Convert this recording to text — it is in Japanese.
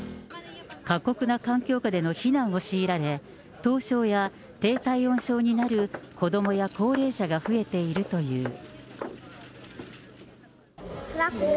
過酷な環境下での避難を強いられ、凍傷や低体温症になる子どもや高齢者が増えているという。